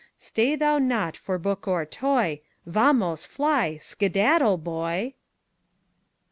Stay thou not for book or toy Vamos! Fly! Skedaddle, boy!